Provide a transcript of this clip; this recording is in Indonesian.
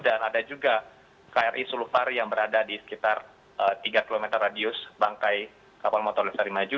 dan ada juga kri sulupari yang berada di sekitar tiga km radius bangkai kapal motor lestari maju